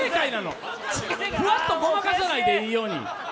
ふわっとごまかさないで、いいように。